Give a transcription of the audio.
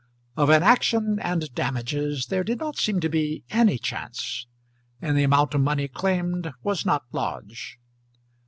Of an action and damages there did not seem to be any chance, and the amount of money claimed was not large.